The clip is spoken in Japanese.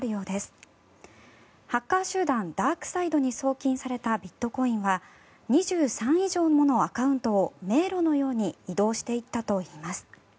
ハッカー集団ダークサイドに送金されたビットコインは２３以上ものアカウントを迷路のように移動していったといいます。